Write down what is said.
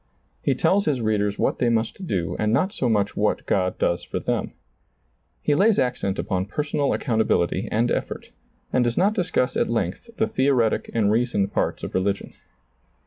He tells his readers what they must do and not so much what God does for them. He lays accent upon personal accountability and effort, and does not discuss at length the theoretic and reasoned parts of religion.